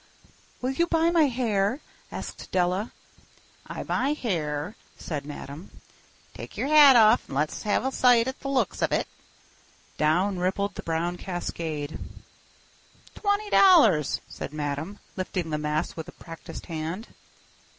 "Will you buy my hair?" asked Della. "I buy hair," said Madame. "Take yer hat off and let's have a sight at the looks of it." Down rippled the brown cascade. "Twenty dollars," said Madame, lifting the mass with a practised hand.